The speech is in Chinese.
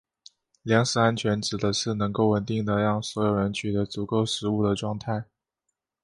粮食安全指的是能够稳定地让所有人取得足够食物的状态。